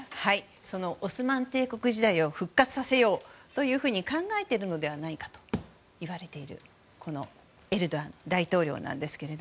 そのオスマン帝国時代を復活させようと考えているのではないかといわれているエルドアン大統領ですが。